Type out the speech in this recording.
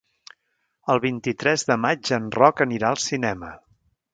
El vint-i-tres de maig en Roc anirà al cinema.